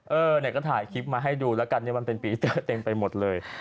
เออเนี่ยก็ถ่ายคลิปมาให้ดูแล้วกันเนี่ยมันเป็นปีเตอร์เต็มไปหมดเลย